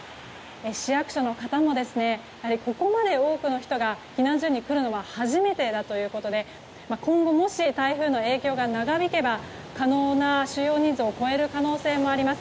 市役所の方もやはりここまで多くの人が避難所に来るのは初めてということで今後もし台風の影響が長引けば可能な収容人数を超える可能性もあります。